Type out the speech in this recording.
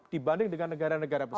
dibanding dengan negara negara besar